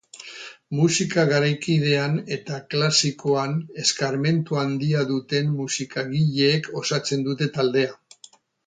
Musika garaikidean eta klasikoan eskarmentu handia duten musikagileek osatzen dute taldea.